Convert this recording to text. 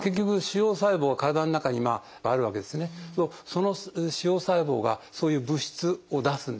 その腫瘍細胞がそういう物質を出すんですね。